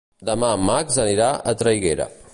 Demà en Max anirà a Traiguera.